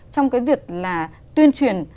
trong cái việc là tuyên truyền